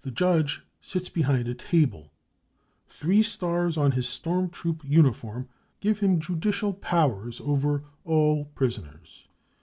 35 The judge sits behind a table ; three stars on his storm troop uniform give him judicial "powers ' over all prisoners.